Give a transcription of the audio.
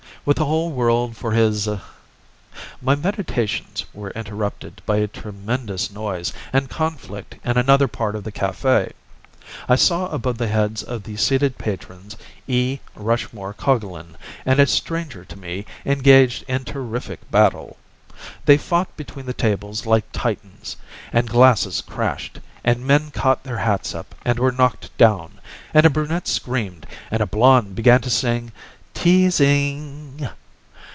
With the whole world for his— My meditations were interrupted by a tremendous noise and conflict in another part of the café. I saw above the heads of the seated patrons E. Rushmore Coglan and a stranger to me engaged in terrific battle. They fought between the tables like Titans, and glasses crashed, and men caught their hats up and were knocked down, and a brunette screamed, and a blonde began to sing "Teasing."